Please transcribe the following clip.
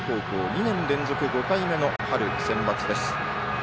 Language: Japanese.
２年連続５回目の春センバツです。